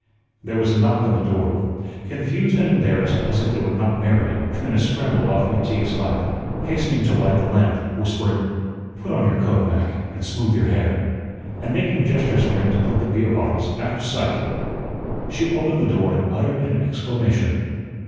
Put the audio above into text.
There was a knock on the door. Confused and embarrassed, as if they were not married, Trina scrambled off McTeague's lap, hastening to light the lamp, whispering, "Put on your coat, Mac, and smooth your hair," and making gestures for him to put the beer bottles out of sight. She opened the door and uttered an exclamation.